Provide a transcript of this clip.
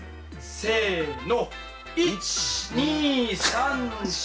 せの。